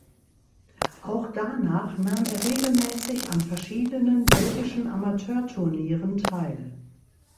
Auch danach nahm er regelmäßig an verschiedenen belgischen Amateurturnieren teil.